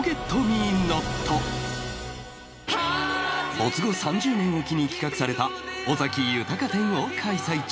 没後３０年を機に企画された「尾崎豊展」を開催中